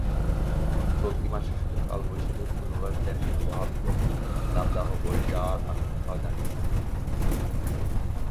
চলতি মাসে শুধু কালবৈশাখীর পূর্বাভাস দেননি আবহাওয়াবিদেরা, দাবদাহ বয়ে যাওয়ার শঙ্কাও জানিয়েছেন তাঁরা।